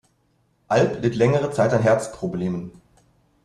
Alp litt längere Zeit an Herzproblemen.